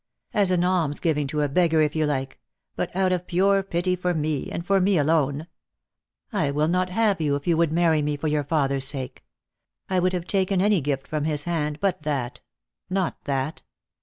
As an almsgiving to a beggar, if you like; but out of pure pity for me, and for me alone. I will not have you if you would marry me for your father's sake. I would have taken any gift from his hand but that; not that.